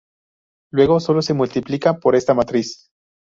Luego solo se multiplica por esta matriz.